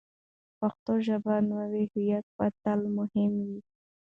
که پښتو ژبه وي، نو هویت به تل مهم وي.